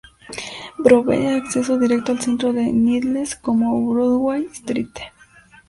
Provee acceso directo al centro de Needles como Broadway Street.